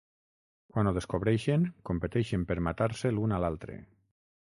Quan ho descobreixen competeixen per matar-se l'un a l'altre.